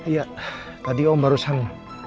iya tadi om barusan